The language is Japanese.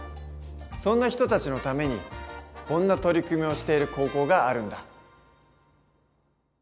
そんな人たちのためにこんな取り組みをしている高校があるんだ。